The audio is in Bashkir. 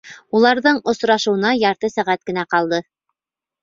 Уларҙың осрашыуына ярты сәғәт кенә ҡалды!